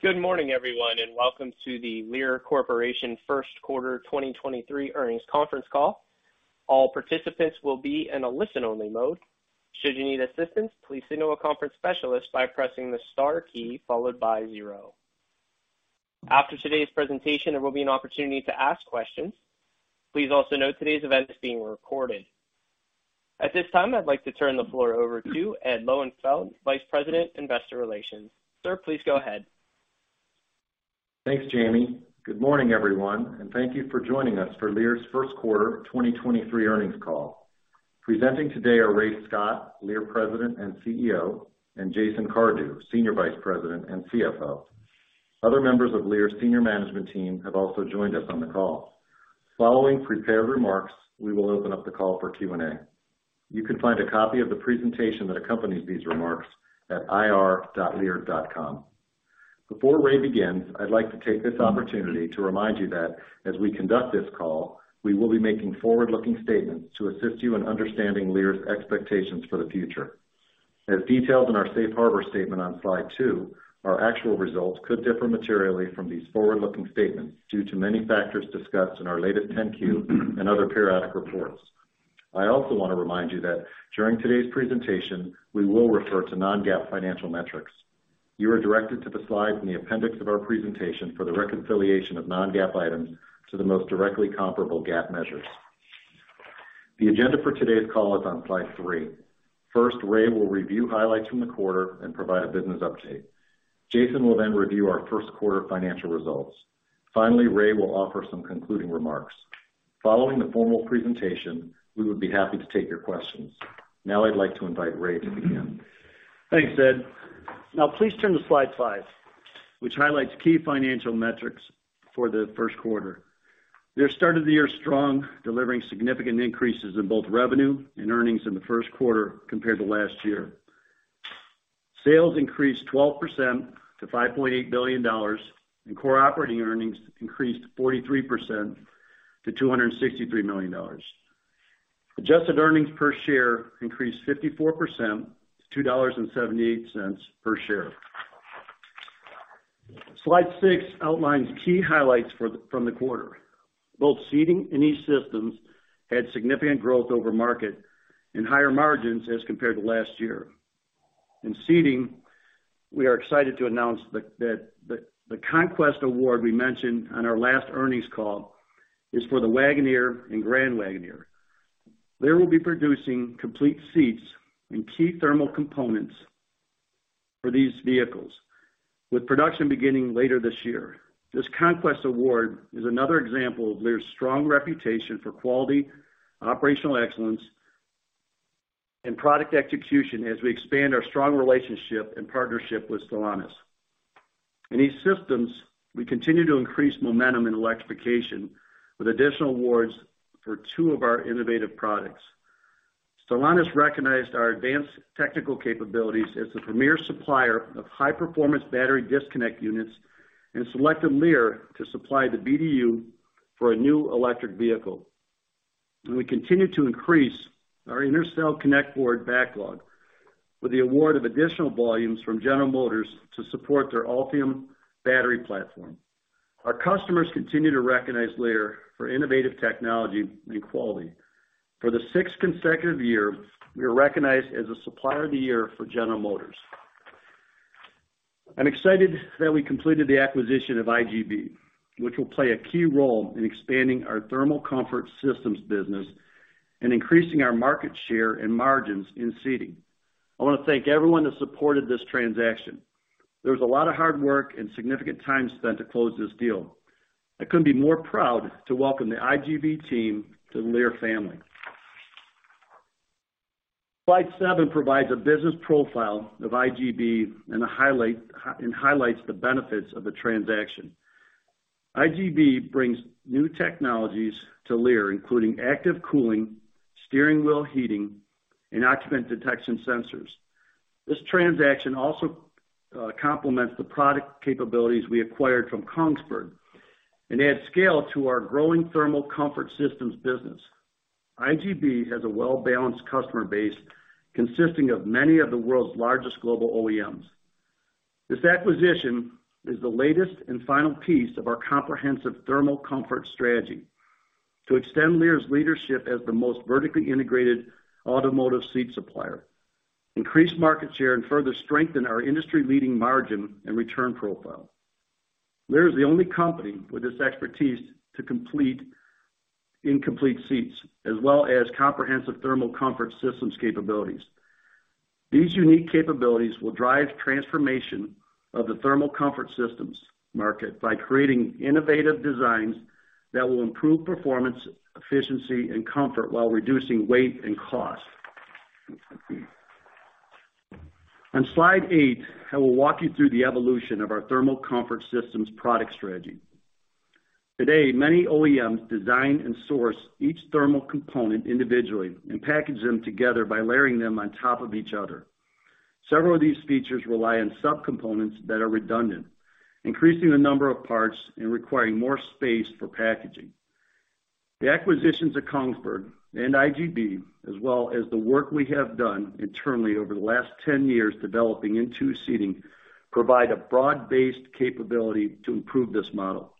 Good morning, everyone, welcome to the Lear Corporation First Quarter 2023 Earnings Conference Call. All participants will be in a listen-only mode. Should you need assistance, please signal a conference specialist by pressing the star key followed by zero. After today's presentation, there will be an opportunity to ask questions. Please also note today's event is being recorded. At this time, I'd like to turn the floor over to Ed Lowenfeld, Vice President, Investor Relations. Sir, please go ahead. Thanks, Jamie. Good morning, everyone, and thank you for joining us for Lear's Q1 2023 earnings call. Presenting today are Ray Scott, Lear President and CEO, and Jason Cardew, Senior Vice President and CFO. Other members of Lear's senior management team have also joined us on the call. Following prepared remarks, we will open up the call for Q&A. You can find a copy of the presentation that accompanies these remarks at ir.lear.com. Before Ray begins, I'd like to take this opportunity to remind you that as we conduct this call, we will be making forward-looking statements to assist you in understanding Lear's expectations for the future. As detailed in our Safe Harbor statement on slide two, our actual results could differ materially from these forward-looking statements due to many factors discussed in our latest 10-Q and other periodic reports. I also wanna remind you that during today's presentation, we will refer to non-GAAP financial metrics. You are directed to the slides in the appendix of our presentation for the reconciliation of non-GAAP items to the most directly comparable GAAP measures. The agenda for today's call is on slide three. First, Ray will review highlights from the quarter and provide a business update. Jason will then review our Q1 financial results. Finally, Ray will offer some concluding remarks. Following the formal presentation, we would be happy to take your questions. Now I'd like to invite Ray to begin. Thanks, Ed. Now please turn to slide five, which highlights key financial metrics for the Q1. Lear started the year strong, delivering significant increases in both revenue and earnings in the Q1 compared to last year. Sales increased 12% to $5.8 billion and core operating earnings increased 43% to $263 million. Adjusted earnings per share increased 54% to $2.78 per share. Slide six outlines key highlights from the quarter. Both Seating and E-Systems had significant growth over market and higher margins as compared to last year. In Seating, we are excited to announce that the Conquest award we mentioned on our last earnings call is for the Wagoneer and Grand Wagoneer. They will be producing complete seats and key thermal components for these vehicles with production beginning later this year. This Conquest award is another example of Lear's strong reputation for quality, operational excellence, and product execution as we expand our strong relationship and partnership with Stellantis. In E-Systems, we continue to increase momentum in electrification with additional awards for two of our innovative products. Stellantis recognized our advanced technical capabilities as the premier supplier of high-performance battery disconnect units and selected Lear to supply the BDU for a new electric vehicle. We continue to increase our intercell connect board backlog with the award of additional volumes from General Motors to support their Ultium battery platform. Our customers continue to recognize Lear for innovative technology and quality. For the sixth consecutive year, we are recognized as a supplier of the year for General Motors. I'm excited that we completed the acquisition of IGB, which will play a key role in expanding our Thermal Comfort Systems business and increasing our market share and margins in seating. I wanna thank everyone that supported this transaction. There was a lot of hard work and significant time spent to close this deal. I couldn't be more proud to welcome the IGB team to the Lear family. Slide seven provides a business profile of IGB and highlights the benefits of the transaction. IGB brings new technologies to Lear, including active cooling, steering wheel heating, and occupant detection sensors. This transaction also complements the product capabilities we acquired from Kongsberg and adds scale to our growing Thermal Comfort Systems business. IGB has a well-balanced customer base consisting of many of the world's largest global OEMs. This acquisition is the latest and final piece of our comprehensive thermal comfort strategy to extend Lear's leadership as the most vertically integrated automotive seat supplier, increase market share, and further strengthen our industry-leading margin and return profile. Lear is the only company with this expertise to complete incomplete seats, as well as comprehensive Thermal Comfort Systems capabilities. These unique capabilities will drive transformation of the Thermal Comfort Systems market by creating innovative designs that will improve performance, efficiency, and comfort while reducing weight and cost. On slide eight, I will walk you through the evolution of our Thermal Comfort Systems product strategy. Today, many OEMs design and source each thermal component individually and package them together by layering them on top of each other. Several of these features rely on subcomponents that are redundant, increasing the number of parts and requiring more space for packaging. The acquisitions of Kongsberg and IGB, as well as the work we have done internally over the last 10 years developing into seating, provide a broad-based capability to improve this model.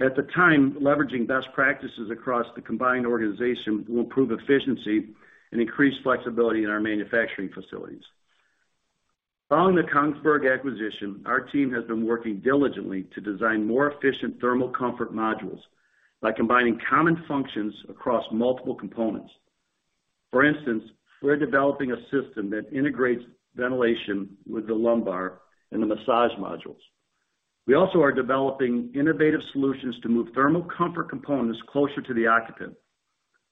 At the time, leveraging best practices across the combined organization will improve efficiency and increase flexibility in our manufacturing facilities. Following the Kongsberg acquisition, our team has been working diligently to design more efficient thermal comfort modules by combining common functions across multiple components. For instance, we're developing a system that integrates ventilation with the lumbar and the massage modules. We also are developing innovative solutions to move thermal comfort components closer to the occupant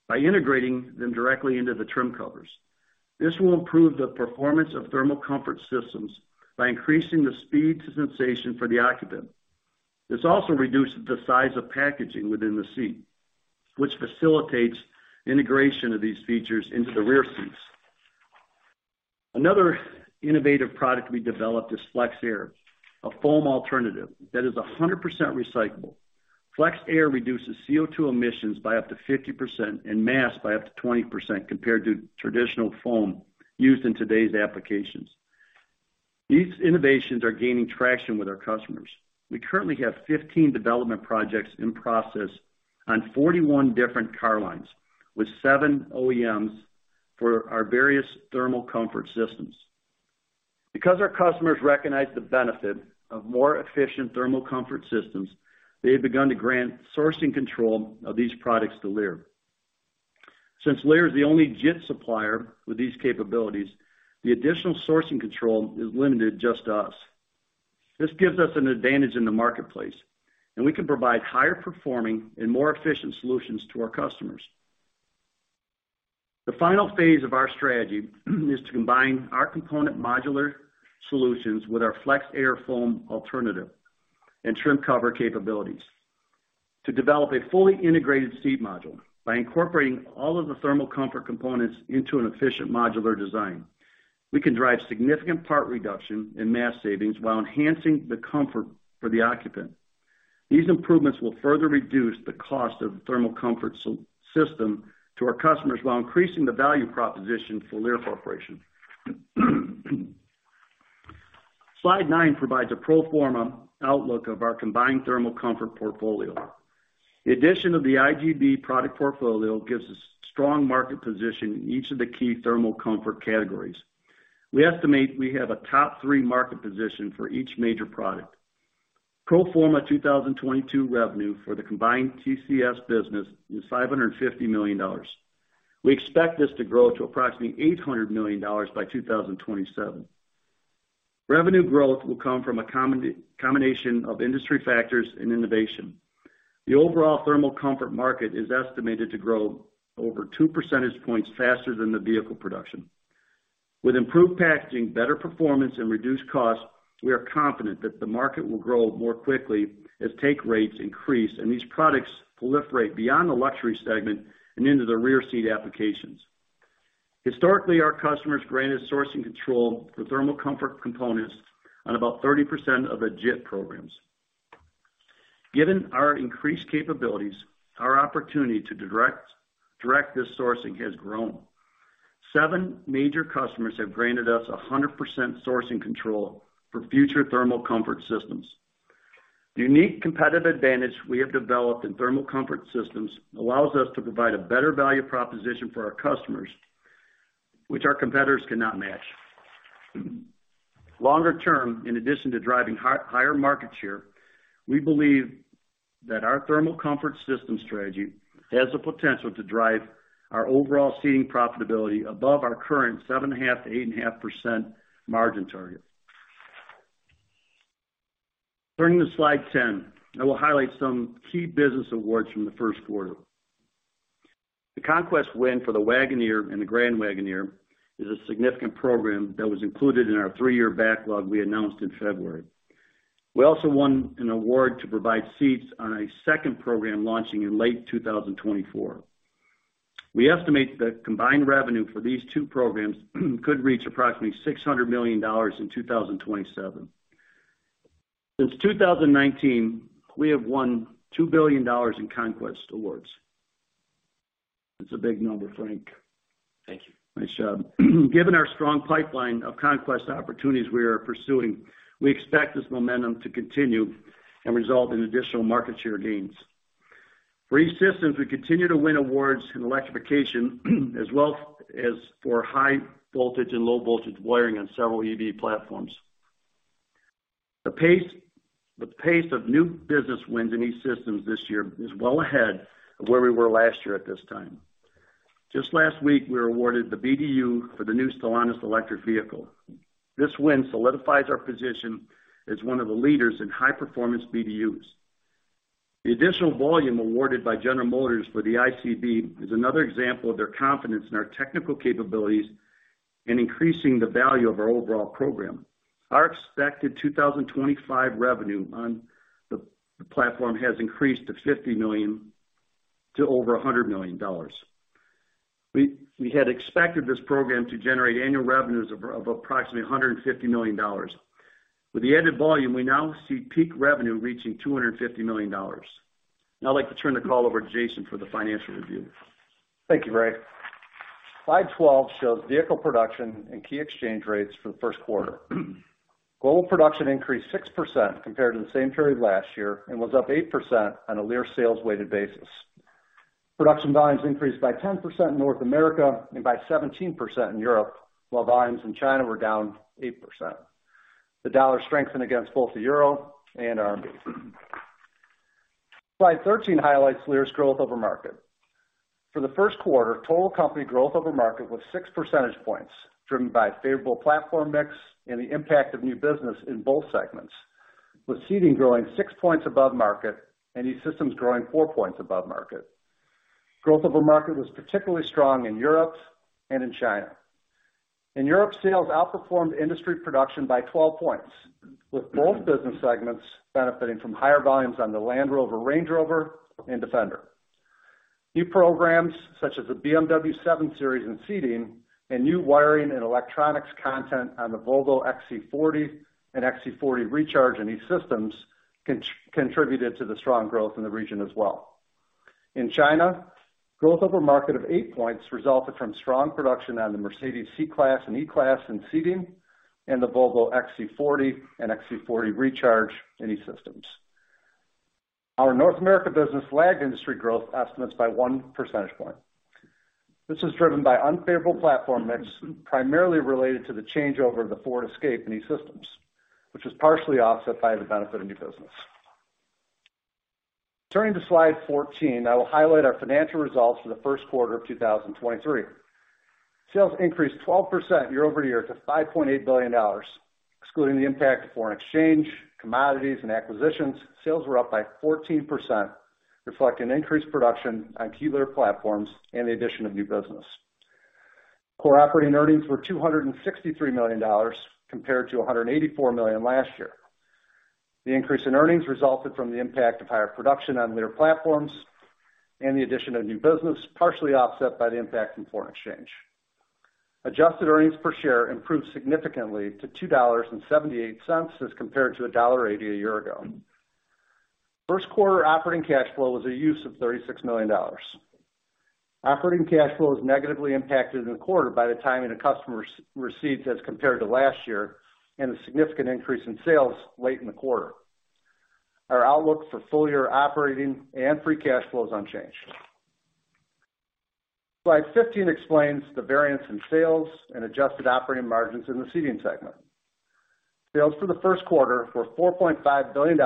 by integrating them directly into the trim covers. This will improve the performance of Thermal Comfort Systems by increasing the speed to sensation for the occupant. This also reduces the size of packaging within the seat, which facilitates integration of these features into the rear seats. Another innovative product we developed is FlexAir, a foam alternative that is 100% recyclable. FlexAir reduces CO₂ emissions by up to 50% and mass by up to 20% compared to traditional foam used in today's applications. These innovations are gaining traction with our customers. We currently have 15 development projects in process on 41 different car lines with seven OEMs for our various Thermal Comfort Systems. Our customers recognize the benefit of more efficient Thermal Comfort Systems. They have begun to grant sourcing control of these products to Lear. Since Lear is the only JIT supplier with these capabilities, the additional sourcing control is limited just to us. This gives us an advantage in the marketplace. We can provide higher performing and more efficient solutions to our customers. The final phase of our strategy is to combine our component modular solutions with our FlexAir foam alternative and trim cover capabilities. To develop a fully integrated seat module by incorporating all of the thermal comfort components into an efficient modular design, we can drive significant part reduction and mass savings while enhancing the comfort for the occupant. These improvements will further reduce the cost of thermal comfort system to our customers while increasing the value proposition for Lear Corporation. Slide nine provides a pro forma outlook of our combined thermal comfort portfolio. The addition of the IGB product portfolio gives us strong market position in each of the key thermal comfort categories. We estimate we have a top three market position for each major product. Pro forma 2022 revenue for the combined TCS business is $550 million. We expect this to grow to approximately $800 million by 2027. Revenue growth will come from a combination of industry factors and innovation. The overall thermal comfort market is estimated to grow over two percentage points faster than the vehicle production. With improved packaging, better performance and reduced costs, we are confident that the market will grow more quickly as take rates increase and these products proliferate beyond the luxury segment and into the rear seat applications. Historically, our customers granted sourcing control for Thermal Comfort Systems on about 30% of their JIT programs. Given our increased capabilities, our opportunity to direct this sourcing has grown. Seven major customers have granted us 100% sourcing control for future Thermal Comfort Systems. The unique competitive advantage we have developed in Thermal Comfort Systems allows us to provide a better value proposition for our customers, which our competitors cannot match. Longer term, in addition to driving higher market share, we believe that our Thermal Comfort System strategy has the potential to drive our overall seating profitability above our current 7.5%-8.5% margin target. Turning to slide 10, I will highlight some key business awards from the Q1. The conquest win for the Wagoneer and the Grand Wagoneer is a significant program that was included in our three year backlog we announced in February. We also won an award to provide seats on a second program launching in late 2024. We estimate the combined revenue for these two programs could reach approximately $600 million in 2027. Since 2019, we have won $2 billion in conquest awards. That's a big number, Frank. Thank you. Nice job. Given our strong pipeline of conquest opportunities we are pursuing, we expect this momentum to continue and result in additional market share gains. For E-Systems, we continue to win awards in electrification as well as for high voltage and low voltage wiring on several EV platforms. The pace of new business wins in E-Systems this year is well ahead of where we were last year at this time. Just last week, we were awarded the BDU for the new Stellantis electric vehicle. This win solidifies our position as one of the leaders in high-performance BDUs. The additional volume awarded by General Motors for the ICB is another example of their confidence in our technical capabilities in increasing the value of our overall program. Our expected 2025 revenue on the platform has increased to $50 million to over $100 million. We had expected this program to generate annual revenues of approximately $150 million. With the added volume, we now see peak revenue reaching $250 million. I'd like to turn the call over to Jason for the financial review. Thank you, Ray. Slide 12 shows vehicle production and key exchange rates for the Q1. Global production increased 6% compared to the same period last year and was up 8% on a Lear sales weighted basis. Production volumes increased by 10% in North America and by 17% in Europe, while volumes in China were down 8%. The dollar strengthened against both the euro and RMB. Slide 13 highlights Lear's growth over market. For the Q1, total company growth over market was six percentage points, driven by favorable platform mix and the impact of new business in both segments. With seating growing six points above market and E-Systems growing four points above market. Growth over market was particularly strong in Europe and in China. In Europe, sales outperformed industry production by 12 points, with both business segments benefiting from higher volumes on the Land Rover, Range Rover and Defender. New programs such as the BMW 7 Series and Seating and new wiring and electronics content on the Volvo XC40 and XC40 Recharge and E-Systems contributed to the strong growth in the region as well. In China, growth over market of eight points resulted from strong production on the Mercedes-Benz C-Class and E-Class in Seating and the Volvo XC40 and XC40 Recharge in E-Systems. Our North America business lagged industry growth estimates by one percentage point. This is driven by unfavorable platform mix primarily related to the changeover of the Ford Escape in E-Systems, which was partially offset by the benefit of new business. Turning to slide 14, I will highlight our financial results for the Q1 of 2023. Sales increased 12% year-over-year to $5.8 billion. Excluding the impact of foreign exchange, commodities, and acquisitions, sales were up by 14%, reflecting increased production on key Lear platforms and the addition of new business. Core operating earnings were $263 million compared to $184 million last year. The increase in earnings resulted from the impact of higher production on Lear platforms and the addition of new business, partially offset by the impact from foreign exchange. Adjusted earnings per share improved significantly to $2.78 as compared to $1.80 a year ago. Q1 operating cash flow was a use of $36 million. Operating cash flow was negatively impacted in the quarter by the timing of customer receipts as compared to last year and a significant increase in sales late in the quarter. Our outlook for full-year operating and free cash flow is unchanged. Slide 15 explains the variance in sales and adjusted operating margins in the Seating segment. Sales for the Q1 were $4.5 billion,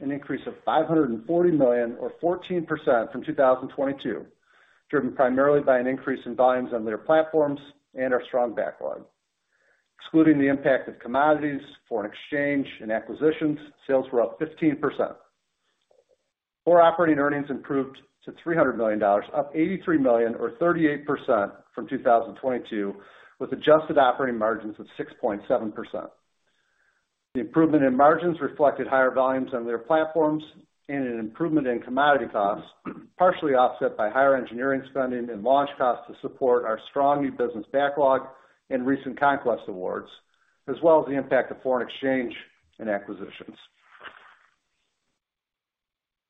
an increase of $540 million or 14% from 2022, driven primarily by an increase in volumes on Lear platforms and our strong backlog. Excluding the impact of commodities, foreign exchange and acquisitions, sales were up 15%. Core operating earnings improved to $300 million, up $83 million or 38% from 2022, with adjusted operating margins of 6.7%. The improvement in margins reflected higher volumes on Lear platforms and an improvement in commodity costs, partially offset by higher engineering spending and launch costs to support our strong new business backlog and recent conquest awards, as well as the impact of foreign exchange and acquisitions.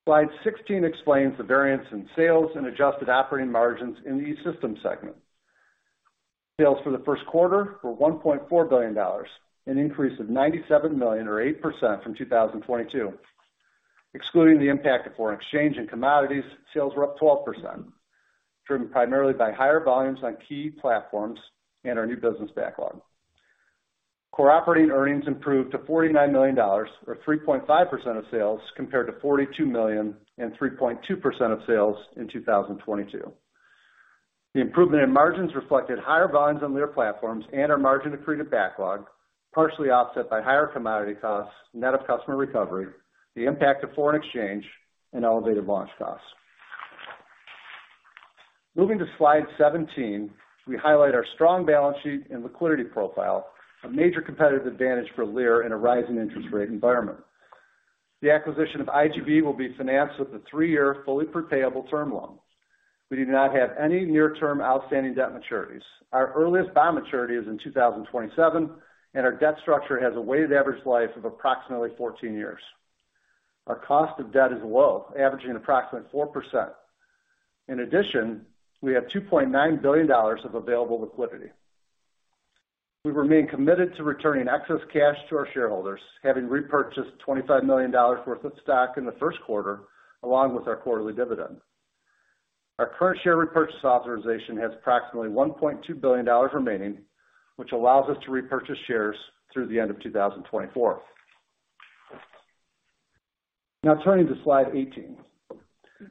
Slide 16 explains the variance in sales and adjusted operating margins in the E-Systems segment. Sales for the Q1 were $1.4 billion, an increase of $97 million or 8% from 2022. Excluding the impact of foreign exchange and commodities, sales were up 12%, driven primarily by higher volumes on key platforms and our new business backlog. Core operating earnings improved to $49 million or 3.5% of sales, compared to $42 million and 3.2% of sales in 2022. The improvement in margins reflected higher volumes on Lear platforms and our margin accreted backlog, partially offset by higher commodity costs, net of customer recovery, the impact of foreign exchange and elevated launch costs. Moving to slide 17, we highlight our strong balance sheet and liquidity profile, a major competitive advantage for Lear in a rising interest rate environment. The acquisition of IGB will be financed with a three year fully prepayable term loan. We do not have any near-term outstanding debt maturities. Our earliest bond maturity is in 2027, our debt structure has a weighted average life of approximately 14 years. Our cost of debt is low, averaging approximately 4%. In addition, we have $2.9 billion of available liquidity. We remain committed to returning excess cash to our shareholders, having repurchased $25 million worth of stock in the Q1, along with our quarterly dividend. Our current share repurchase authorization has approximately $1.2 billion remaining, which allows us to repurchase shares through the end of 2024. Turning to slide 18.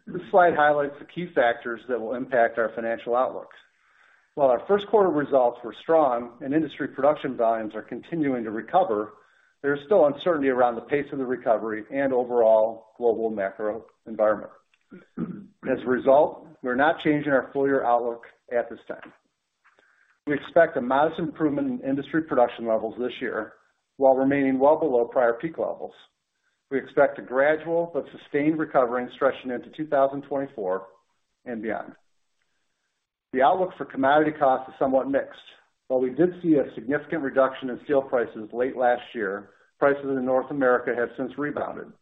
This slide highlights the key factors that will impact our financial outlooks. While our Q1 results were strong and industry production volumes are continuing to recover, there is still uncertainty around the pace of the recovery and overall global macro environment. We're not changing our full-year outlook at this time. We expect a modest improvement in industry production levels this year, while remaining well below prior peak levels. We expect a gradual but sustained recovery stretching into 2024 and beyond. The outlook for commodity costs is somewhat mixed. While we did see a significant reduction in steel prices late last year, prices in North America have since rebounded.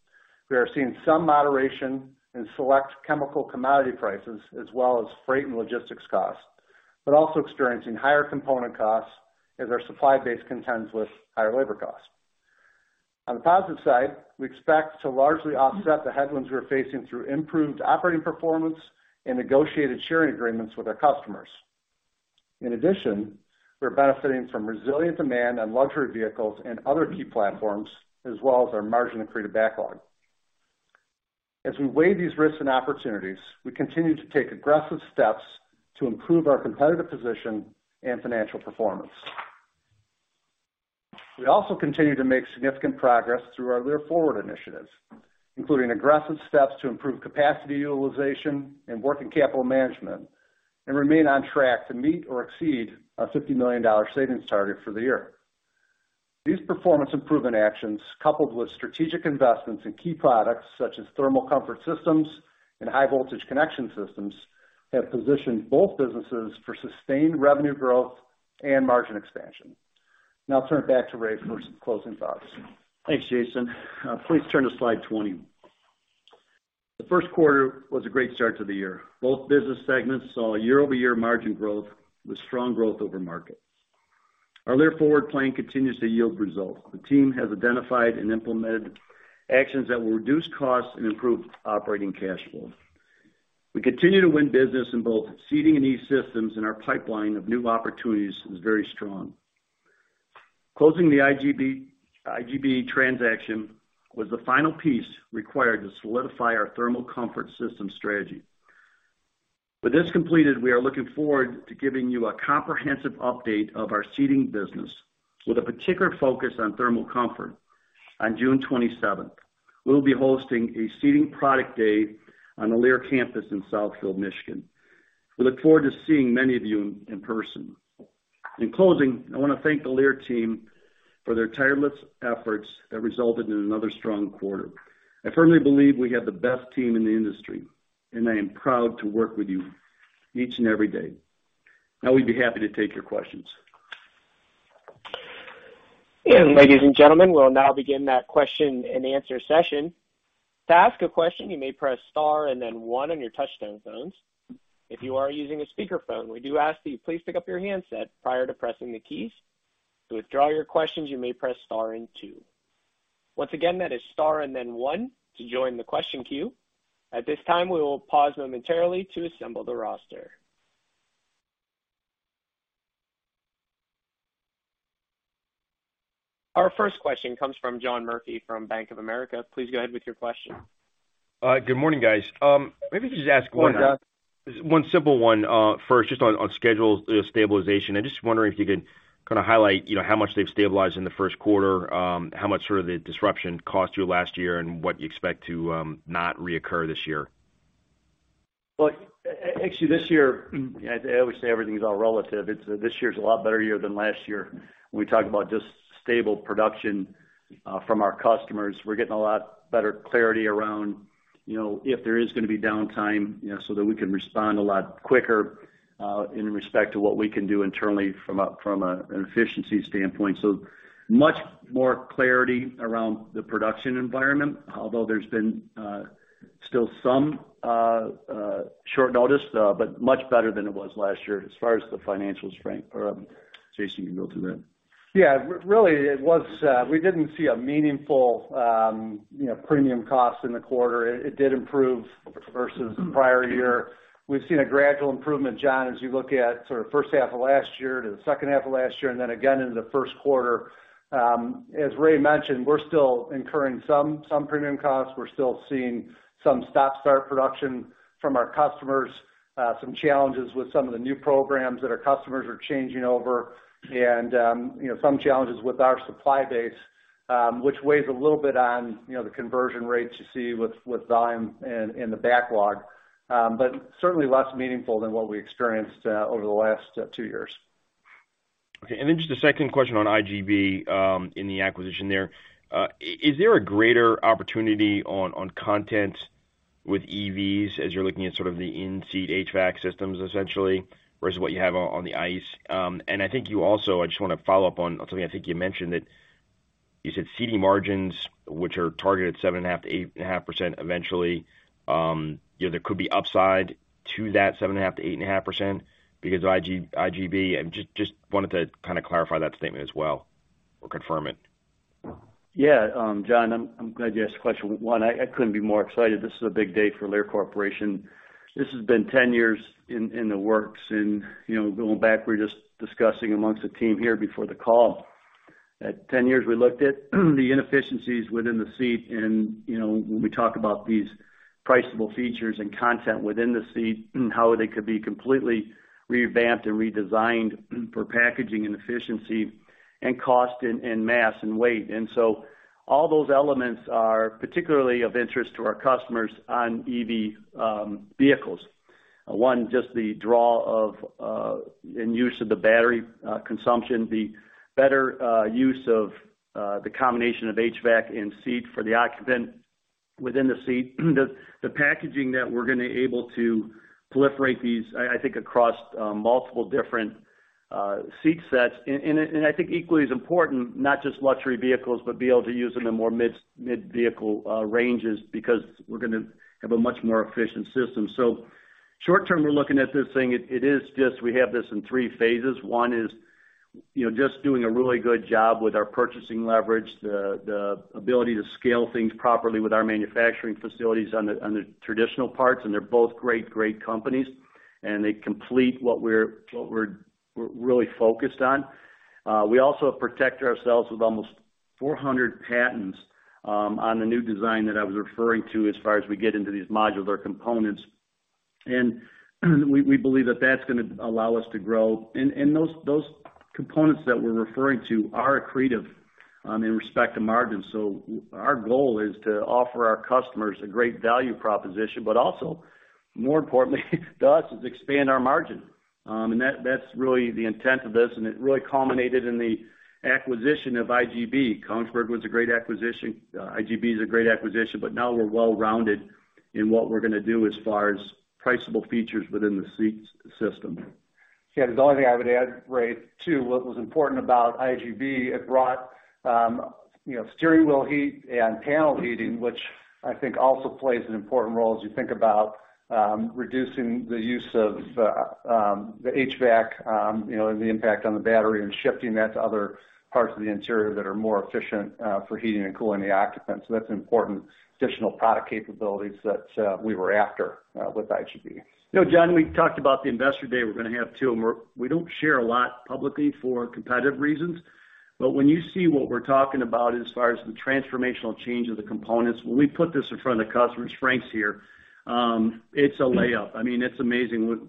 We are seeing some moderation in select chemical commodity prices as well as freight and logistics costs, but also experiencing higher component costs as our supply base contends with higher labor costs. On the positive side, we expect to largely offset the headwinds we're facing through improved operating performance and negotiated sharing agreements with our customers. In addition, we're benefiting from resilient demand on luxury vehicles and other key platforms, as well as our margin accretive backlog. As we weigh these risks and opportunities, we continue to take aggressive steps to improve our competitive position and financial performance. We also continue to make significant progress through our Lear Forward initiatives, including aggressive steps to improve capacity utilization and working capital management and remain on track to meet or exceed our $50 million savings target for the year. These performance improvement actions, coupled with strategic investments in key products such as Thermal Comfort Systems and High Voltage Connection Systems, have positioned both businesses for sustained revenue growth and margin expansion. I'll turn it back to Ray for some closing thoughts. Thanks, Jason. Please turn to slide 20. The Q1 was a great start to the year. Both business segments saw year-over-year margin growth with strong growth over markets. Our Lear Forward plan continues to yield results. The team has identified and implemented actions that will reduce costs and improve operating cash flow. We continue to win business in both seating and E-Systems, and our pipeline of new opportunities is very strong. Closing the IGB transaction was the final piece required to solidify our thermal comfort system strategy. With this completed, we are looking forward to giving you a comprehensive update of our seating business with a particular focus on thermal comfort on June 27th. We'll be hosting a seating product day on the Lear campus in Southfield, Michigan. We look forward to seeing many of you in person. In closing, I wanna thank the Lear team for their tireless efforts that resulted in another strong quarter. I firmly believe we have the best team in the industry, and I am proud to work with you each and every day. Now, we'd be happy to take your questions. Ladies and gentlemen, we'll now begin that question-and-answer session. To ask a question, you may press star and then one on your touchtone phones. If you are using a speakerphone, we do ask that you please pick up your handset prior to pressing the keys. To withdraw your questions, you may press star and two. Once again, that is star and then one to join the question queue. At this time, we will pause momentarily to assemble the roster. Our first question comes from John Murphy from Bank of America. Please go ahead with your question. Good morning, guys. Maybe just ask one-. Good morning, John. One simple one, first, just on schedule stabilization. I'm just wondering if you could kinda highlight, you know, how much they've stabilized in the Q1, how much sort of the disruption cost you last year and what you expect to not reoccur this year? Well, actually, this year, I always say everything is all relative. It's, this year is a lot better year than last year. We talked about just stable production from our customers. We're getting a lot better clarity around, you know, if there is gonna be downtime, you know, so that we can respond a lot quicker in respect to what we can do internally from an efficiency standpoint. Much more clarity around the production environment, although there's been still some short notice, but much better than it was last year as far as the financial strength. Jason, you can go through that. Really, it was, we didn't see a meaningful, you know, premium cost in the quarter. It did improve versus the prior year. We've seen a gradual improvement, John, as you look at sort of first half of last year to the second half of last year and then again in the Q1. As Ray mentioned, we're still incurring some premium costs. We're still seeing some stop-start production from our customers, some challenges with some of the new programs that our customers are changing over and, you know, some challenges with our supply base, which weighs a little bit on, you know, the conversion rates you see with volume and the backlog. Certainly less meaningful than what we experienced over the last two years. Okay. just a second question on IGB in the acquisition there. Is there a greater opportunity on content with EVs as you're looking at sort of the in-seat HVAC systems essentially, versus what you have on the ICE? I think you also, I just wanna follow up on something I think you mentioned that you said seating margins, which are targeted 7.5%-8.5% eventually, you know, there could be upside to that 7.5%-8.5% because of IGB. I'm just wanted to kind of clarify that statement as well or confirm it. Yeah. John, I'm glad you asked the question. One, I couldn't be more excited. This is a big day for Lear Corporation. This has been 10 years in the works. You know, going back, we're just discussing amongst the team here before the call. At 10 years, we looked at the inefficiencies within the seat. You know, when we talk about these priceable features and content within the seat, how they could be completely revamped and redesigned for packaging and efficiency and cost and mass and weight. All those elements are particularly of interest to our customers on EV vehicles. One, just the draw of in use of the battery consumption, the better use of the combination of HVAC and seat for the occupant within the seat. The packaging that we're gonna able to proliferate these, I think, across multiple different seat sets. I think equally as important, not just luxury vehicles, but be able to use them in more mid-vehicle ranges because we're gonna have a much more efficient system. Short-term, we're looking at this thing. It is just, we have this in three phases. One is, you know, just doing a really good job with our purchasing leverage, the ability to scale things properly with our manufacturing facilities on the traditional parts, and they're both great companies, and they complete what we're really focused on. We also protect ourselves with almost 400 patents on the new design that I was referring to as far as we get into these modular components. We believe that's gonna allow us to grow. Those components that we're referring to are accretive in respect to margins. Our goal is to offer our customers a great value proposition, but also, more importantly to us, is expand our margin. That's really the intent of this, and it really culminated in the acquisition of IGB. Kongsberg was a great acquisition. IGB is a great acquisition, but now we're well-rounded in what we're gonna do as far as priceable features within the seat system. Yeah, the only thing I would add, Ray, too, what was important about IGB, it brought, you know, steering wheel heat and panel heating, which I think also plays an important role as you think about reducing the use of the HVAC, you know, and the impact on the battery and shifting that to other parts of the interior that are more efficient for heating and cooling the occupants. That's important additional product capabilities that we were after with IGB. You know, John, we talked about the investor day. We're gonna have two of them. We don't share a lot publicly for competitive reasons. When you see what we're talking about as far as the transformational change of the components, when we put this in front of the customers, Frank's here, it's a layup. I mean, it's amazing.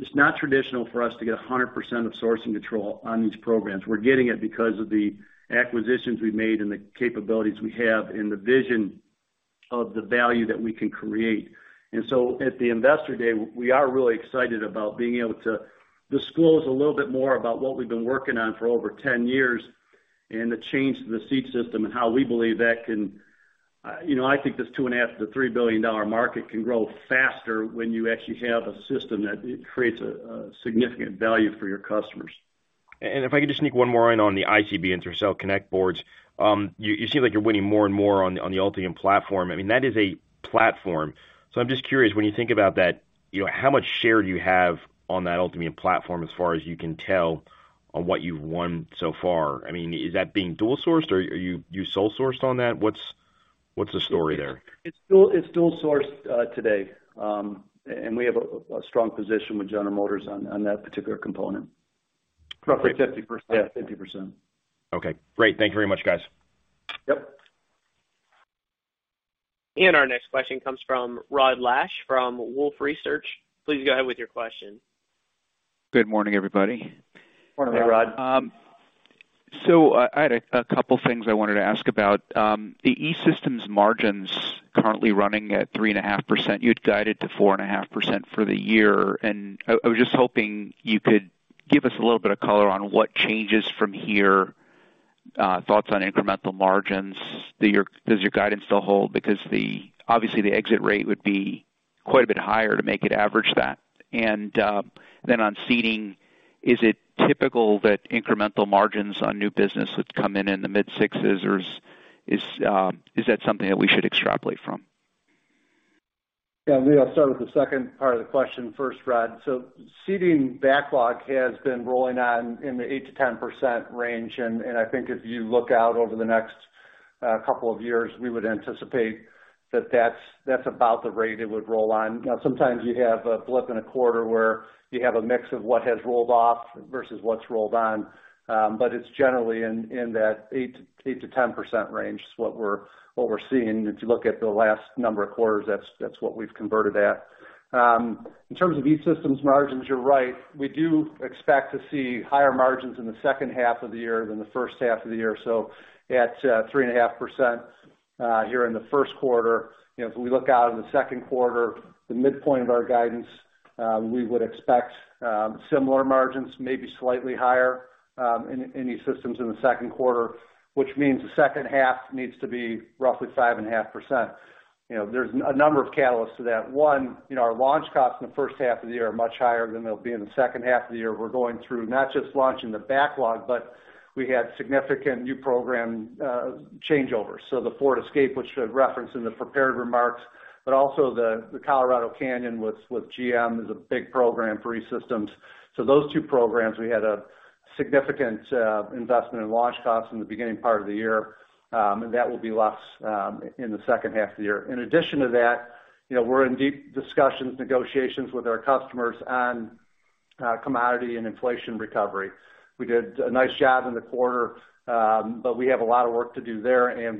It's not traditional for us to get 100% of sourcing control on these programs. We're getting it because of the acquisitions we made and the capabilities we have and the vision of the value that we can create. At the investor day, we are really excited about being able to disclose a little bit more about what we've been working on for over 10 years and the change to the seat system and how we believe that can... You know, I think this two and a half to $3 billion market can grow faster when you actually have a system that creates a significant value for your customers. If I could just sneak one more in on the IGB Intercell Connect Boards. You seem like you're winning more and more on the Ultium platform. I mean, that is a platform. I'm just curious, when you think about that, you know, how much share do you have on that Ultium platform as far as you can tell on what you've won so far? I mean, is that being dual sourced or are you sole sourced on that? What's the story there? It's dual sourced, today. We have a strong position with General Motors on that particular component. Roughly 50%. Yeah, 50%. Okay, great. Thank you very much, guys. Yep. Our next question comes from Rod Lache from Wolfe Research. Please go ahead with your question. Good morning, everybody. Morning, Rod. Hey, Rod. I had a couple things I wanted to ask about. The E-Systems margins currently running at 3.5%. You had guided to 4.5% for the year. I was just hoping you could give us a little bit of color on what changes from here, thoughts on incremental margins. Does your guidance still hold? The, obviously, the exit rate would be quite a bit higher to make it average that. On seating, is it typical that incremental margins on new business would come in in the mid-6s or is that something that we should extrapolate from? Yeah, I think I'll start with the second part of the question first, Rod. Seating backlog has been rolling on in the 8%-10% range. I think if you look out over the next couple of years, we would anticipate that that's about the rate it would roll on. Sometimes you have a blip in a quarter where you have a mix of what has rolled off versus what's rolled on. It's generally in that 8%-10% range is what we're seeing. If you look at the last number of quarters, that's what we've converted at. In terms of E-Systems margins, you're right. We do expect to see higher margins in the second half of the year than the first half of the year. At 3.5% here in the Q1, you know, if we look out in the Q2, the midpoint of our guidance, we would expect similar margins, maybe slightly higher in E-Systems in the Q2, which means the second half needs to be roughly 5.5%. You know, there's a number of catalysts to that. One, you know, our launch costs in the first half of the year are much higher than they'll be in the second half of the year. We're going through not just launching the backlog, but we had significant new program changeovers. The Ford Escape, which I referenced in the prepared remarks, but also the Colorado Canyon with GM is a big program for E-Systems. Those two programs, we had a significant investment in launch costs in the beginning part of the year, and that will be less in the second half of the year. In addition to that, you know, we're in deep discussions, negotiations with our customers on commodity and inflation recovery. We did a nice job in the quarter, but we have a lot of work to do there, and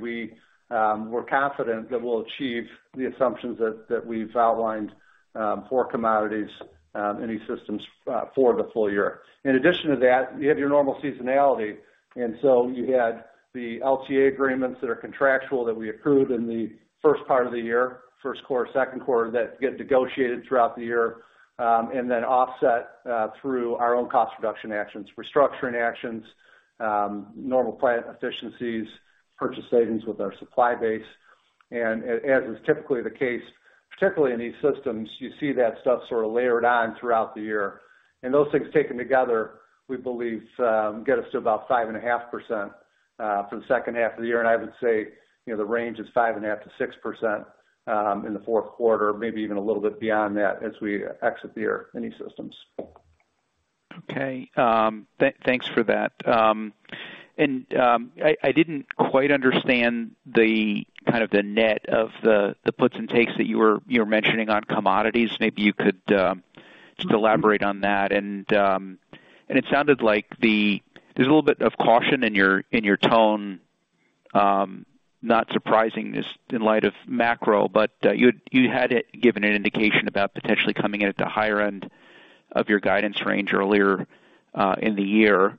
we're confident that we'll achieve the assumptions that we've outlined for commodities, E-Systems, for the full year. In addition to that, you have your normal seasonality. You had the LCA agreements that are contractual that we approved in the first part of the year, Q1, Q2, that get negotiated throughout the year. Then offset through our own cost reduction actions, restructuring actions, normal plant efficiencies, purchase savings with our supply base. As is typically the case, particularly in these systems, you see that stuff sort of layered on throughout the year. Those things taken together, we believe, get us to about 5.5% for the second half of the year. I would say, you know, the range is 5.5%-6% in the Q4, maybe even a little bit beyond that as we exit the year, any systems. Okay. Thanks for that. I didn't quite understand the kind of the net of the puts and takes that you were, you were mentioning on commodities. Maybe you could just elaborate on that. It sounded like there's a little bit of caution in your, in your tone. Not surprising this in light of macro, but you had given an indication about potentially coming in at the higher end of your guidance range earlier in the year.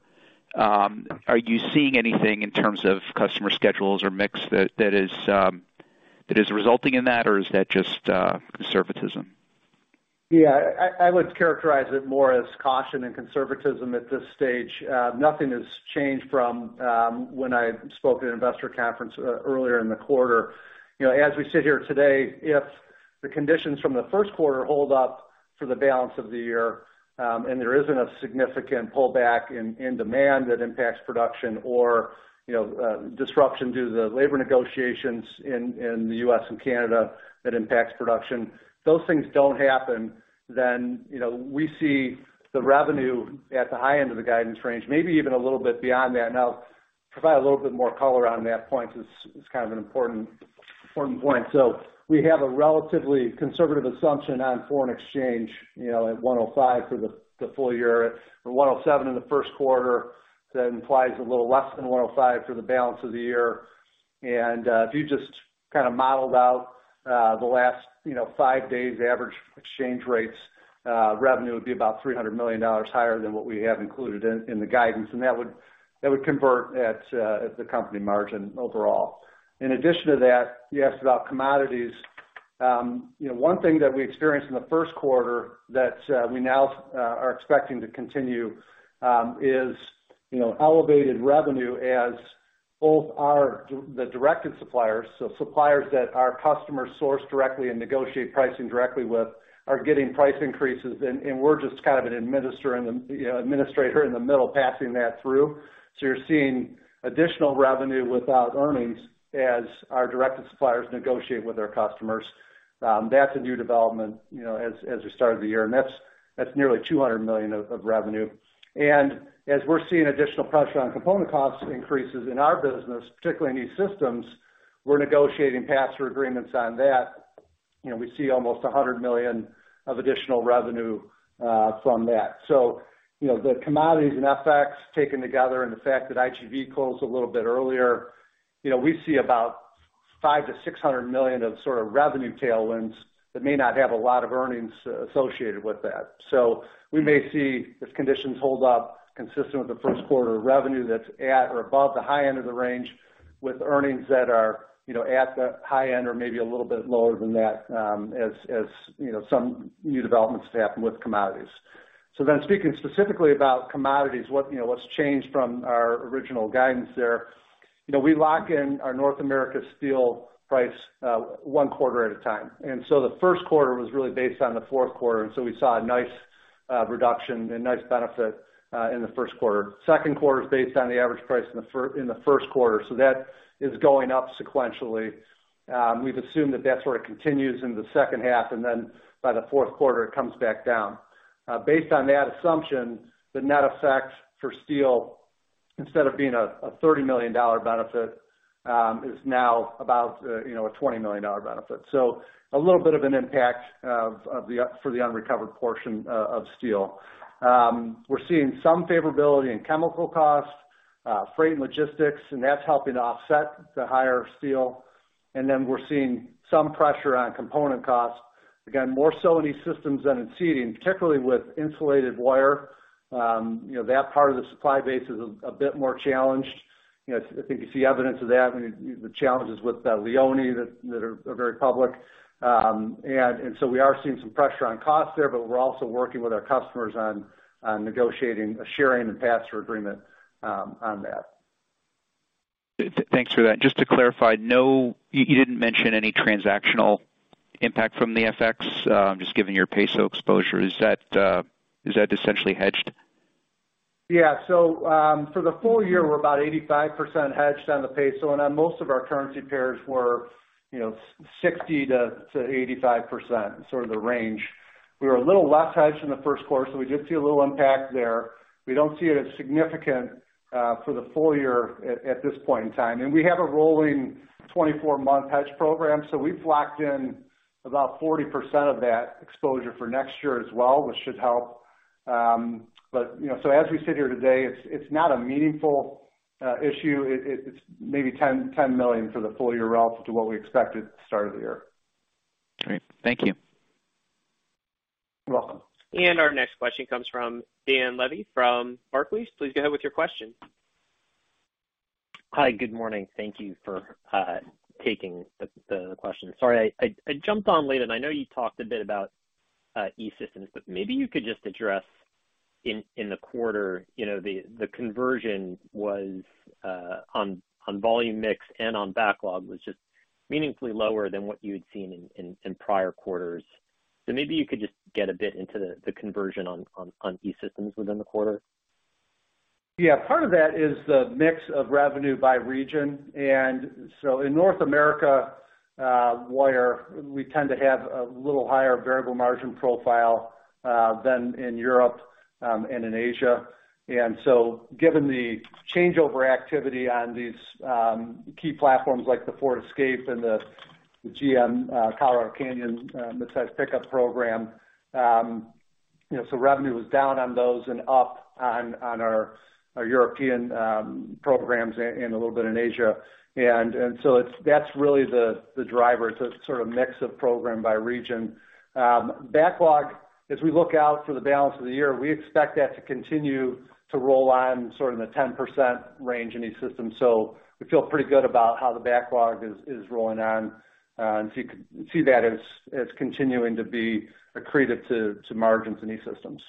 Are you seeing anything in terms of customer schedules or mix that is, that is resulting in that or is that just conservatism? Yeah. I would characterize it more as caution than conservatism at this stage. Nothing has changed from when I spoke at investor conference earlier in the quarter. You know, as we sit here today, if the conditions from the Q1 hold up for the balance of the year, and there isn't a significant pullback in demand that impacts production or, you know, disruption due to the labor negotiations in the US and Canada that impacts production, those things don't happen, then, you know, we see the revenue at the high end of the guidance range, maybe even a little bit beyond that. I'll provide a little bit more color on that point. It's kind of an important point. We have a relatively conservative assumption on foreign exchange, you know, at 105 for the full year, or 107 in the Q1. That implies a little less than 105 for the balance of the year. If you just kind of modeled out the last, you know, five days average exchange rates, revenue would be about $300 million higher than what we have included in the guidance. That would, that would convert at the company margin overall. In addition to that, you asked about commodities. You know, one thing that we experienced in the Q1 that we now are expecting to continue is, you know, elevated revenue as both our the directed suppliers. Suppliers that our customers source directly and negotiate pricing directly with are getting price increases, and we're just kind of an administrator in the middle passing that through. You're seeing additional revenue without earnings as our directed suppliers negotiate with our customers. That's a new development, you know, as we started the year, and that's nearly $200 million of revenue. As we're seeing additional pressure on component cost increases in our business, particularly in E-Systems, we're negotiating pass-through agreements on that. You know, we see almost $100 million of additional revenue from that. You know, the commodities and FX taken together and the fact that IGB closed a little bit earlier, you know, we see about $500 million-$600 million of sort of revenue tailwinds that may not have a lot of earnings associated with that. We may see if conditions hold up consistent with the Q1 revenue that's at or above the high end of the range with earnings that are, you know, at the high end or maybe a little bit lower than that, as, you know, some new developments to happen with commodities. Speaking specifically about commodities, what, you know, what's changed from our original guidance there. You know, we lock in our North America steel price, one quarter at a time. The Q1 was really based on the Q4, we saw a nice reduction and nice benefit in the Q1. Q2 is based on the average price in the Q1. That is going up sequentially. We've assumed that that sort of continues in the second half, by the Q4, it comes back down. Based on that assumption, the net effect for steel, instead of being a $30 million benefit, is now about, you know, a $20 million benefit. A little bit of an impact for the unrecovered portion of steel. We're seeing some favorability in chemical costs, freight and logistics, and that's helping to offset the higher steel. We're seeing some pressure on component costs. More so in these systems than in seating, particularly with insulated wire. you know, that part of the supply base is a bit more challenged. You know, I think you see evidence of that and the challenges with Leoni that are very public. We are seeing some pressure on costs there, but we're also working with our customers on negotiating a sharing and pass-through agreement on that. Thanks for that. Just to clarify, you didn't mention any transactional impact from the FX, just given your peso exposure. Is that essentially hedged? Yeah. For the full year, we're about 85% hedged on the MXN and on most of our currency pairs we're, you know, 60%-85%, sort of the range. We were a little less hedged in the Q1, we did see a little impact there. We don't see it as significant for the full year at this point in time. We have a rolling 24 month hedge program, we've locked in about 40% of that exposure for next year as well, which should help. But, you know, as we sit here today, it's not a meaningful issue. It's maybe $10 million for the full year relative to what we expected at the start of the year. Great. Thank you. Welcome. Our next question comes from Dan Levy from Barclays. Please go ahead with your question. Hi, good morning. Thank you for taking the question. Sorry I jumped on late, and I know you talked a bit about E-Systems, but maybe you could just address in the quarter, you know, the conversion was on volume mix and on backlog was just meaningfully lower than what you had seen in prior quarters. Maybe you could just get a bit into the conversion on E-Systems within the quarter. Yeah. Part of that is the mix of revenue by region, in North America, where we tend to have a little higher variable margin profile than in Europe and in Asia. Given the changeover activity on these key platforms like the Ford Escape and the GM Colorado Canyon midsize pickup program, you know, so revenue was down on those and up on our European programs and a little bit in Asia. That's really the driver. It's a sort of mix of program by region. Backlog, as we look out for the balance of the year, we expect that to continue to roll on sort of in the 10% range in E-Systems. We feel pretty good about how the backlog is rolling on, and see that as continuing to be accretive to margins in E-Systems.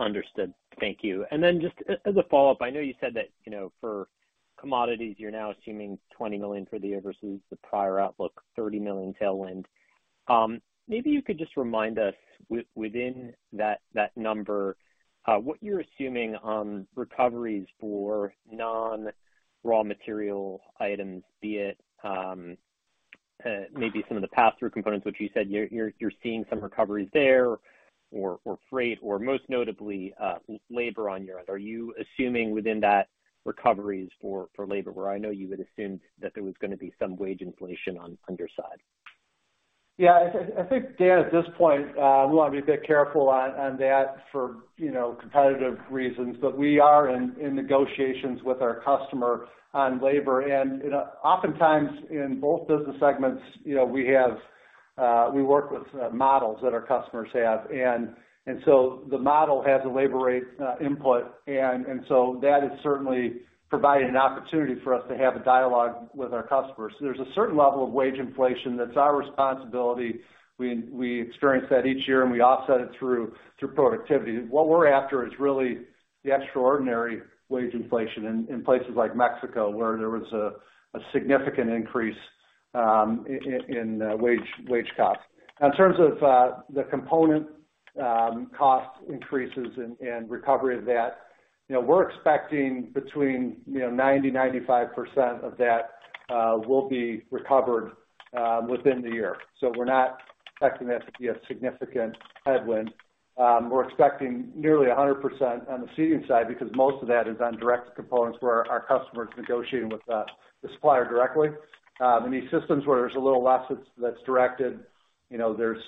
Understood. Thank you. Just as a follow-up, I know you said that, you know, for commodities, you're now assuming $20 million for the year versus the prior outlook, $30 million tailwind. Maybe you could just remind us within that number, what you're assuming on recoveries for non-raw material items, be it, maybe some of the pass-through components which you said you're seeing some recoveries there or freight or most notably, labor on your end. Are you assuming within that recoveries for labor where I know you had assumed that there was gonna be some wage inflation on your side? Yeah. I think, Dan, at this point, we wanna be a bit careful on that for, you know, competitive reasons. We are in negotiations with our customer on labor. You know, oftentimes in both business segments, you know, we have, we work with models that our customers have and so the model has a labor rate input and so that is certainly providing an opportunity for us to have a dialogue with our customers. There's a certain level of wage inflation that's our responsibility. We experience that each year, and we offset it through productivity. What we're after is really the extraordinary wage inflation in places like Mexico, where there was a significant increase in wage costs. In terms of the component cost increases and recovery of that, you know, we're expecting between, you know, 90%-95% of that will be recovered within the year. We're not expecting that to be a significant headwind. We're expecting nearly 100% on the seating side because most of that is on direct components where our customers negotiating with the supplier directly. In E-Systems where there's a little less that's directed, you know, there's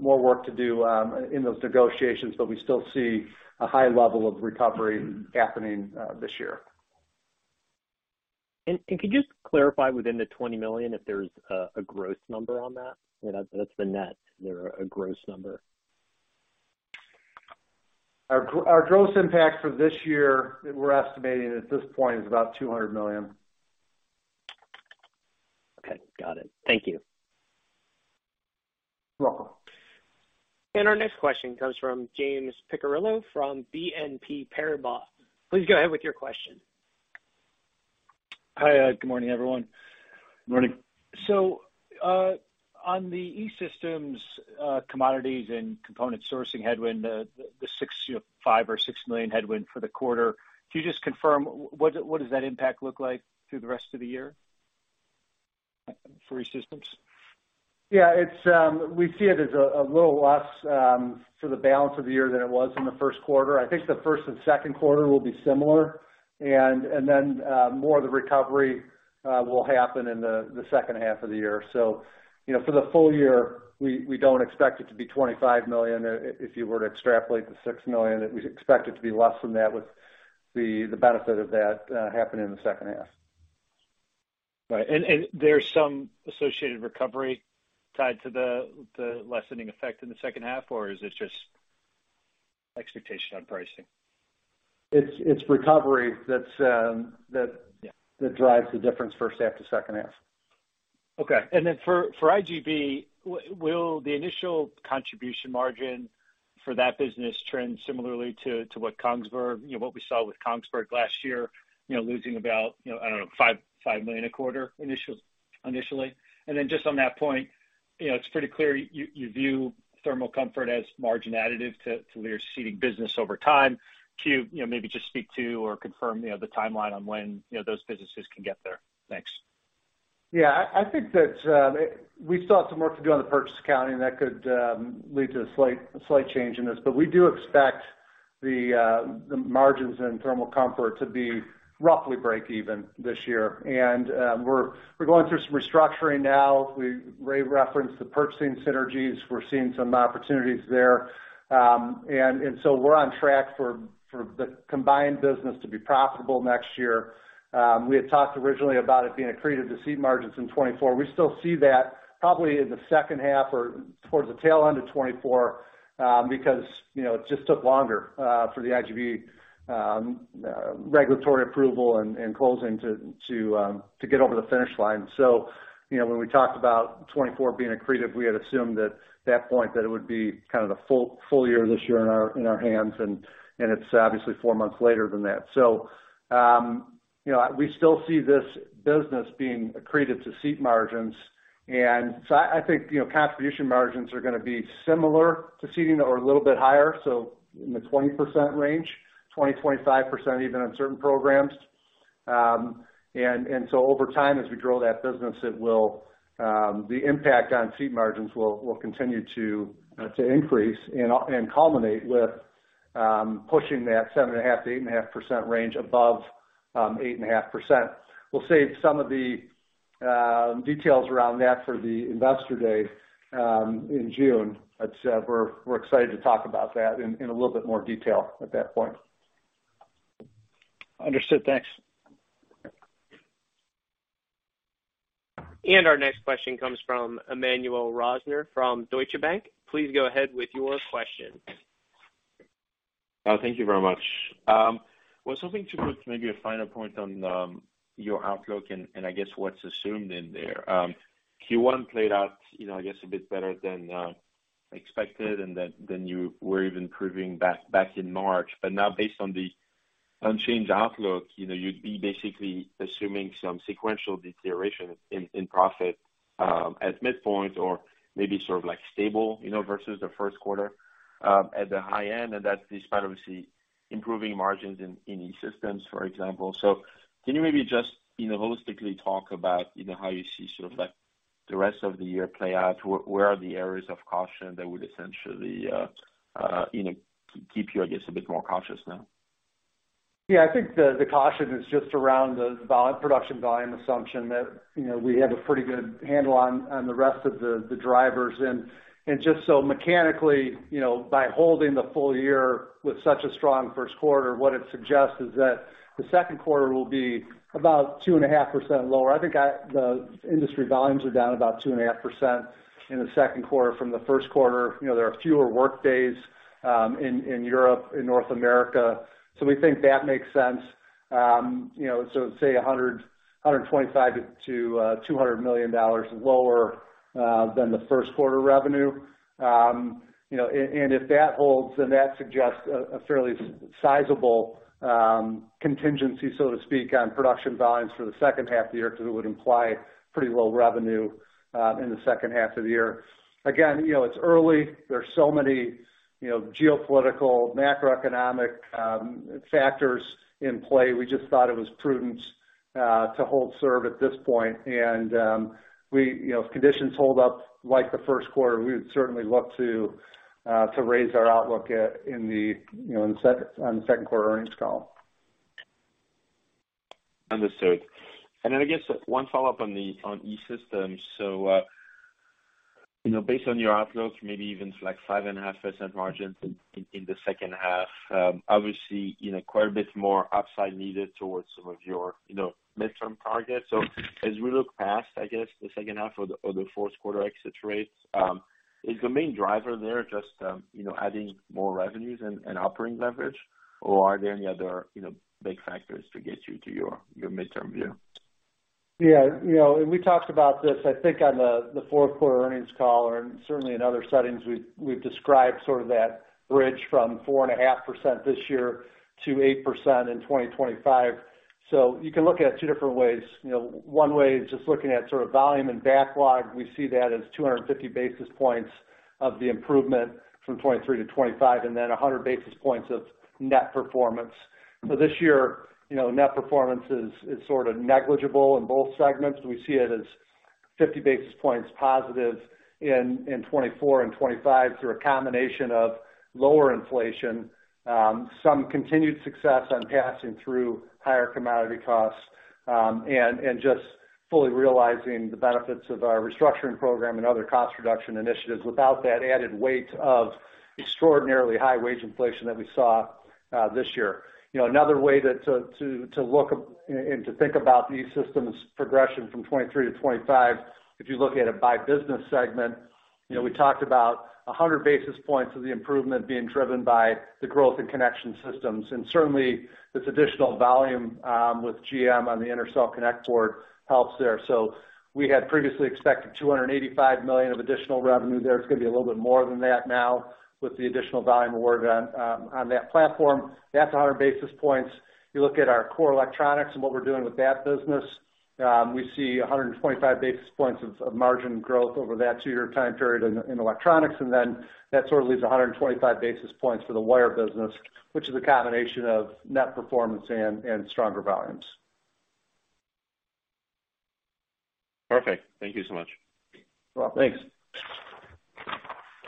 more work to do in those negotiations, but we still see a high level of recovery happening this year. Could you just clarify within the $20 million if there's a growth number on that? You know, that's the net. There a growth number? Our gross impact for this year, we're estimating at this point is about $200 million. Okay. Got it. Thank you. You're welcome. Our next question comes from James Picariello from BNP Paribas. Please go ahead with your question. Hi. good morning, everyone. Morning. On the E-Systems, commodities and component sourcing headwind, the $6 million, you know, $5 million or $6 million headwind for the quarter, could you just confirm what does that impact look like through the rest of the year for E-Systems? It's, We see it as a little less for the balance of the year than it was in the Q1. I think the Q1 and Q2 will be similar and then more of the recovery will happen in the second half of the year. You know, for the full year, we don't expect it to be $25 million. If you were to extrapolate the $6 million, we expect it to be less than that with the benefit of that happening in the second half. Right. And there's some associated recovery tied to the lessening effect in the second half, or is this just expectation on pricing? It's recovery that's. Yeah. that drives the difference first half to second half. Okay. For IGB, will the initial contribution margin for that business trend similarly to what Kongsberg, you know, what we saw with Kongsberg last year, you know, losing about, you know, I don't know, $5 million a quarter initially? Just on that point, you know, it's pretty clear you view thermal comfort as margin additive to Lear seating business over time. Can you know, maybe just speak to or confirm, you know, the timeline on when, you know, those businesses can get there. Thanks. Yeah. I think that we still have some work to do on the purchase accounting that could lead to a slight change in this. We do expect the margins in Thermal Comfort to be roughly break even this year. We're going through some restructuring now. Ray referenced the purchasing synergies. We're seeing some opportunities there. We're on track for the combined business to be profitable next year. We had talked originally about it being accretive to seat margins in 2024. We still see that probably in the second half or towards the tail end of 2024, because you know it just took longer for the IGB regulatory approval and closing to get over the finish line. You know, when we talked about 2024 being accretive, we had assumed that that point, that it would be kind of the full year this year in our hands and it's obviously four months later than that. You know, we still see this business being accretive to seat margins. I think, you know, contribution margins are gonna be similar to seating or a little bit higher, so in the 20% range, 20%-25% even on certain programs. Over time, as we grow that business, it will, the impact on seat margins will continue to increase and culminate with pushing that 7.5%-8.5% range above 8.5%. We'll save some of the details around that for the investor day in June. We're excited to talk about that in a little bit more detail at that point. Understood. Thanks. Our next question comes from Emmanuel Rosner from Deutsche Bank. Please go ahead with your question. Oh, thank you very much. Was hoping to put maybe a final point on your outlook and I guess what's assumed in there. Q1 played out, you know, I guess a bit better than expected and than you were even proving back in March. Now based on the unchanged outlook, you know, you'd be basically assuming some sequential deterioration in profit at midpoint or maybe sort of like stable, you know, versus the Q1 at the high end, and that's despite obviously improving margins in E-Systems, for example. Can you maybe just, you know, holistically talk about, you know, how you see sort of like the rest of the year play out? Where are the areas of caution that would essentially, you know, keep you, I guess, a bit more cautious now? Yeah. I think the caution is just around the production volume assumption that, you know, we have a pretty good handle on the rest of the drivers. Just so mechanically, you know, by holding the full year with such a strong Q1, what it suggests is that the Q2 will be about 2.5% lower. I think the industry volumes are down about 2.5% in the Q2 from the Q1. You know, there are fewer work days in Europe, in North America, so we think that makes sense. You know, say $125 million-$200 million lower than the Q1 revenue. You know, and if that holds, then that suggests a fairly sizeable contingency, so to speak, on production volumes for the second half of the year, because it would imply pretty low revenue in the second half of the year. Again, you know, it's early. There's so many, you know, geopolitical, macroeconomic factors in play. We just thought it was prudent to hold serve at this point. You know, if conditions hold up like the Q1, we would certainly look to raise our outlook, you know, on the Q2 earnings call. Understood. I guess one follow-up on the E-Systems. Based on your outlook, maybe even like 5.5% margins in the second half, obviously, you know, quite a bit more upside needed towards some of your, you know, midterm targets. As we look past, I guess, the second half or the Q4 exit rates, is the main driver there just, you know, adding more revenues and operating leverage? Or are there any other, you know, big factors to get you to your midterm view? Yeah. You know, we talked about this, I think, on the Q4 earnings call, and certainly in other settings, we've described sort of that bridge from 4.5% this year to 8% in 2025. You can look at it two different ways. You know, one way is just looking at sort of volume and backlog. We see that as 250 basis points of the improvement from 2023 to 2025, and then 100 basis points of net performance. This year, you know, net performance is sort of negligible in both segments. We see it as 50 basis points positive in 2024 and 2025 through a combination of lower inflation, some continued success on passing through higher commodity costs, and just fully realizing the benefits of our restructuring program and other cost reduction initiatives without that added weight of extraordinarily high wage inflation that we saw this year. You know, another way that to look and to think about these systems progression from 2023 to 2025, if you look at it by business segment, you know, we talked about 100 basis points of the improvement being driven by the growth in Connection Systems, and certainly this additional volume with GM on the Intercell Connect Board helps there. We had previously expected $285 million of additional revenue there. It's gonna be a little bit more than that now with the additional volume award on that platform. That's 100 basis points. You look at our core electronics and what we're doing with that business, we see 125 basis points of margin growth over that two-year time period in electronics. That sort of leaves 125 basis points for the wire business, which is a combination of net performance and stronger volumes. Perfect. Thank you so much. You're welcome. Thanks.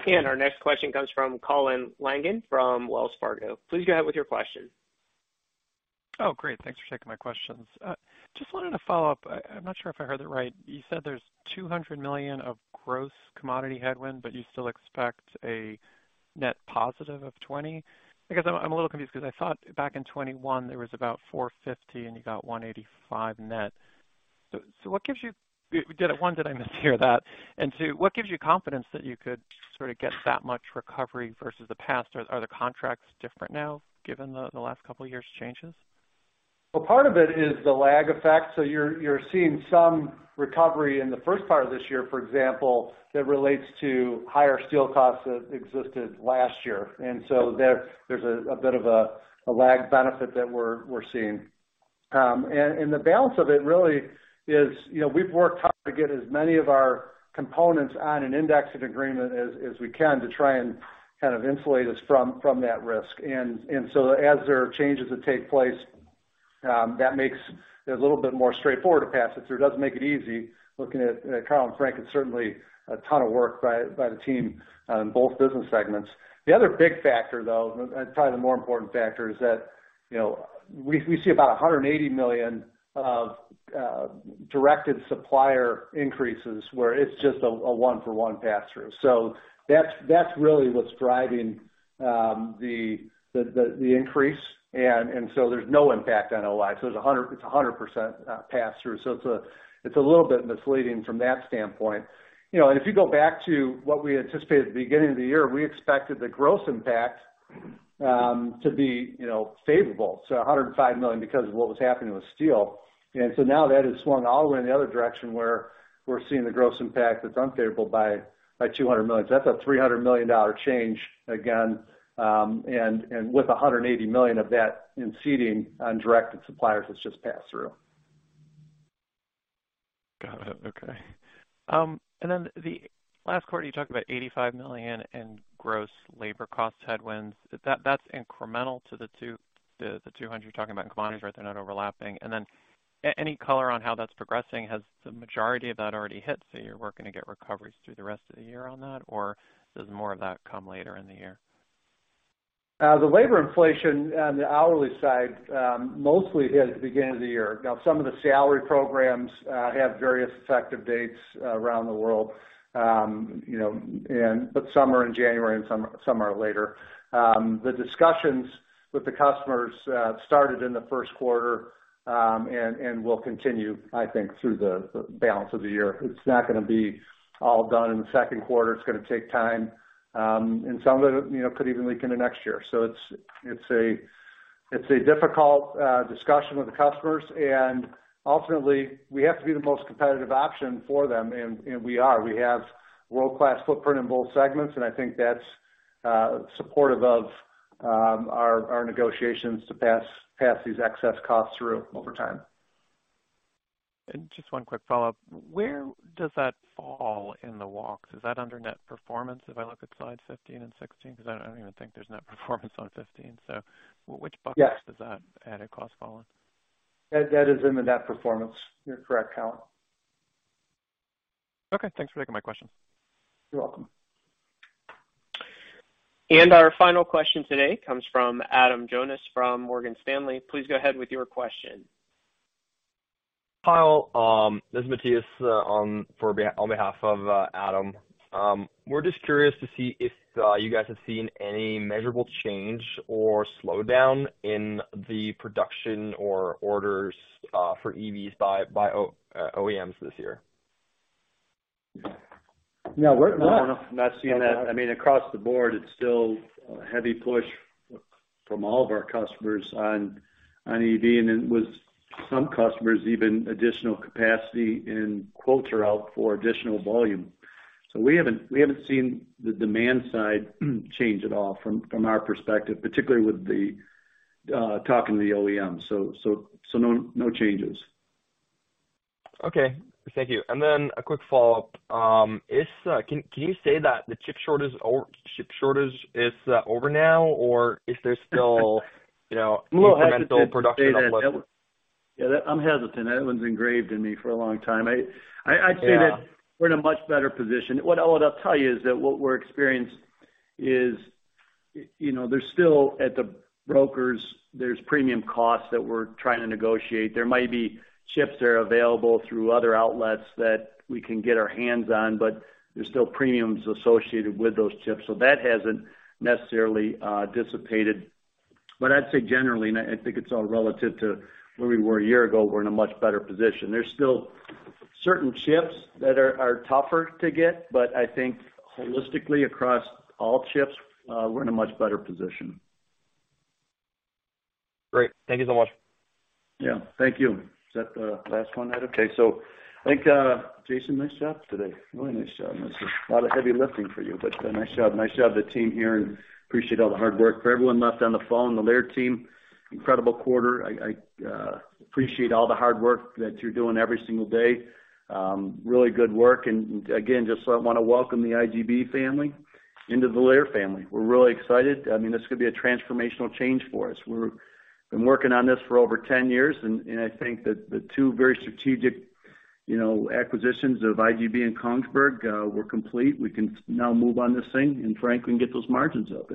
Our next question comes from Colin Langan from Wells Fargo. Please go ahead with your question. Oh, great. Thanks for taking my questions. Just wanted to follow up. I'm not sure if I heard that right. You said there's $200 million of gross commodity headwind, but you still expect a net positive of $20 million? I guess I'm a little confused because I thought back in 2021, there was about $450 million, and you got $185 million net. What gives you one, did I mishear that? Two, what gives you confidence that you could sort of get that much recovery versus the past? Are the contracts different now given the last couple of years changes? Well, part of it is the lag effect. You're seeing some recovery in the first part of this year, for example, that relates to higher steel costs that existed last year. There's a bit of a lag benefit that we're seeing. The balance of it really is, you know, we've worked hard to get as many of our components on an indexed agreement as we can to try and kind of insulate us from that risk. As there are changes that take place, that makes it a little bit more straightforward to pass it through. It doesn't make it easy. Looking at, you know, Kyle and Frank, it's certainly a ton of work by the team on both business segments. The other big factor, though, and probably the more important factor is that, you know, we see about $180 million of directed supplier increases where it's just a one-for-one pass through. That's really what's driving the increase. There's no impact on OI. It's a 100% pass through. It's a little bit misleading from that standpoint. You know, if you go back to what we anticipated at the beginning of the year, we expected the gross impact to be, you know, favorable, so $105 million, because of what was happening with steel. Now that has swung all the way in the other direction where we're seeing the gross impact that's unfavorable by $200 million. That's a $300 million change again, and with $180 million of that in Seating on directed suppliers that's just passed through. Got it. Okay. The last quarter, you talked about $85 million in gross labor cost headwinds. That's incremental to the $200 you're talking about in commodities, right? They're not overlapping. Any color on how that's progressing? Has the majority of that already hit, so you're working to get recoveries through the rest of the year on that, or does more of that come later in the year? The labor inflation on the hourly side, mostly hit at the beginning of the year. Some of the salary programs, have various effective dates around the world. You know, but some are in January and some are later. The discussions with the customers, started in the Q1, and will continue, I think, through the balance of the year. It's not gonna be all done in the Q2. It's gonna take time. And some of it, you know, could even leak into next year. It's a difficult discussion with the customers, and ultimately, we have to be the most competitive option for them, and we are. We have world-class footprint in both segments, and I think that's supportive of our negotiations to pass these excess costs through over time. Just one quick follow-up. Where does that fall in the walks? Is that under net performance, if I look at slide 15 and 16? I don't even think there's net performance on 15. Which bucket? Yes. Does that added cost fall in? That is in the net performance. You're correct, Kyle. Okay. Thanks for taking my question. You're welcome. Our final question today comes from Adam Jonas from Morgan Stanley. Please go ahead with your question. Kyle, this is Matthias on behalf of Adam. We're just curious to see if you guys have seen any measurable change or slowdown in the production or orders for EVs by OEMs this year? No, we're not. No, I'm not seeing that. I mean, across the board, it's still a heavy push from all of our customers on EV, with some customers, even additional capacity and quotes are out for additional volume. We haven't seen the demand side change at all from our perspective, particularly with the talking to the OEMs. No, no changes. Okay. Thank you. A quick follow-up. Can you say that the chip shortage is over now, or is there You know, incremental production uplift? I'm a little hesitant to say that. Yeah, I'm hesitant. That one's engraved in me for a long time. I'd say. Yeah. We're in a much better position. What I would tell you is that what we're experienced is, you know, there's still at the brokers, there's premium costs that we're trying to negotiate. There might be chips that are available through other outlets that we can get our hands on, but there's still premiums associated with those chips. That hasn't necessarily dissipated. I'd say generally, and I think it's all relative to where we were a year ago, we're in a much better position. There's still certain chips that are tougher to get. I think holistically across all chips, we're in a much better position. Great. Thank you so much. Yeah. Thank you. Is that the last one, Adam? Okay. I think, Jason, nice job today. Really nice job. This was a lot of heavy lifting for you, but nice job. Nice job, the team here, and appreciate all the hard work. For everyone left on the phone, the Lear team, incredible quarter. I appreciate all the hard work that you're doing every single day. Really good work. Again, just wanna welcome the IGB family into the Lear family. We're really excited. I mean, this could be a transformational change for us. We're-- been working on this for over 10 years, and I think that the two very strategic, you know, acquisitions of IGB and Kongsberg were complete. We can now move on this thing and frankly, get those margins up.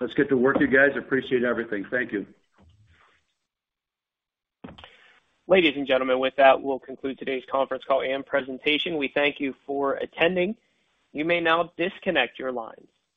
Let's get to work, you guys. I appreciate everything. Thank you. Ladies and gentlemen, with that, we'll conclude today's conference call and presentation. We thank you for attending. You may now disconnect your lines.